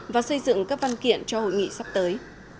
và xây dựng các văn kiện cho hội nghị sắp tới